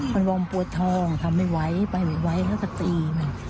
มันวงปวดทองทำไม้ไหวไปไม้ไหวเขากะตี